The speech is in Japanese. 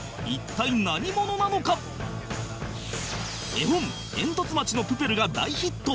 絵本『えんとつ町のプペル』が大ヒット